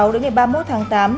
đến ngày ba mươi một tháng tám